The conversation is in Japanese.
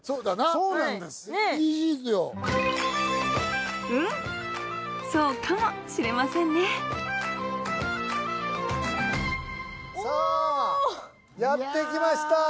そうかもしれませんねさあやってきましたお！